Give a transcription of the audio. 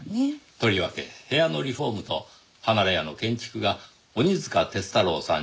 とりわけ部屋のリフォームと離れ家の建築が鬼束鐵太郎さん